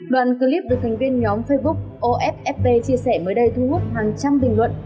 đoàn clip được thành viên nhóm facebook offp chia sẻ mới đây thu hút hàng trăm bình luận